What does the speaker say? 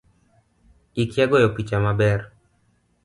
Ikia goyo picha maber